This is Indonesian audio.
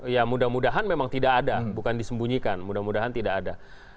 ya mudah mudahan memang tidak ada bukan disembunyikan mudah mudahan tidak ada